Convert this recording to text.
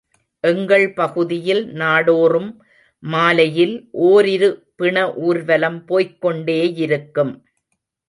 எங்கள் பகுதியில் நாடோறும் மாலையில் ஓரிரு பிண ஊர்வலம் போய்க் கொண்டேயிருக்கும்.